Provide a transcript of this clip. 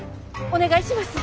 お願いします！